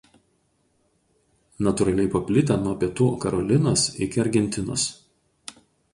Natūraliai paplitę nuo Pietų Karolinos iki Argentinos.